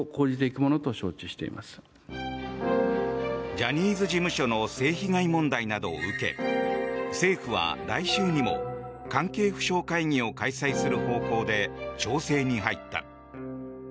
ジャニーズ事務所の性被害問題などを受け政府は来週にも関係府省会議を開催する方向で調整に入った。